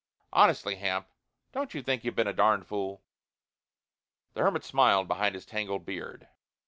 Honestly, Hamp, don't you think you've been a darned fool?" The hermit smiled behind his tangled beard.